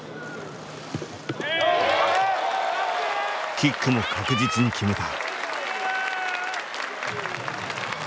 キックも確実に決めた。